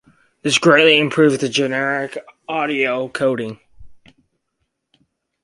This greatly improves the generic audio coding.